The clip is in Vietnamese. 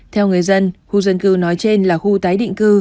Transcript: theo người dân khu dân cư nói trên là khu tái định cư